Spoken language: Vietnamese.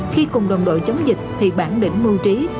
khi cùng đồng đội chống dịch thì bản lĩnh mưu trí